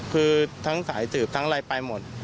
คือทั้งสายสืบทั้งอะไรไปหมด